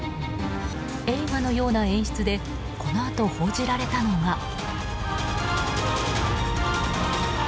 映画のような演出でこのあと報じられたのが。